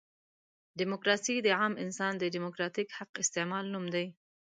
ډیموکراسي د عام انسان د ډیموکراتیک حق استعمال نوم دی.